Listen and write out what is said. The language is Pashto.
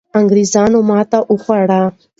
انګریزانو ماتې وخوړه.